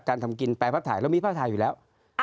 ทำกินแปลภาพถ่ายเรามีภาพถ่ายอยู่แล้ว